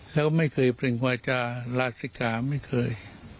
แล้วก็ไม่เคยเปล่งวาจาลาศิกาไม่เคย